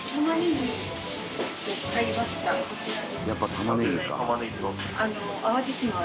「やっぱ玉ねぎか」